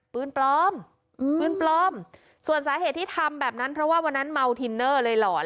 ปืนปลอมปืนปลอมส่วนสาเหตุที่ทำแบบนั้นเพราะว่าวันนั้นเมาทินเนอร์เลยหลอน